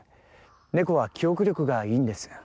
ネコは記憶力がいいんです